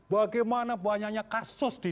bagaimana banyaknya kasus di